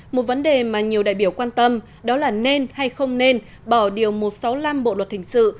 một vấn đề mà nhiều đại biểu quan tâm đó là nên hay không nên bỏ điều một trăm sáu mươi năm bộ luật hình sự